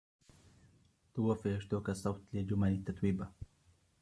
توفر " شتوكا " الصوتَ لجمل تتويبا.